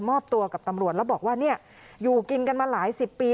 มอบตัวกับตำรวจแล้วบอกว่าเนี่ยอยู่กินกันมาหลายสิบปี